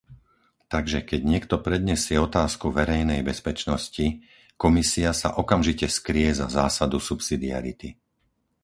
Takže, keď niekto prednesie otázku verejnej bezpečnosti, Komisia sa okamžite skryje za zásadu subsidiarity.